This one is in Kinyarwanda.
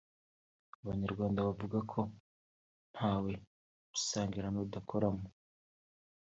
Abanyarwanda bavuga ko ntawe usangira n’udakoramo